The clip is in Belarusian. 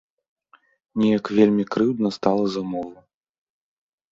Неяк вельмі крыўдна стала за мову.